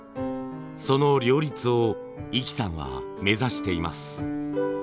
その両立を壹岐さんは目指しています。